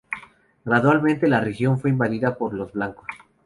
Gradualmente la región fue invadida por los blancos.